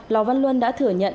lò văn luân đã thừa nhận